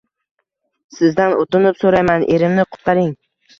Sizdan oʻtinib soʻrayman, erimni qutqaring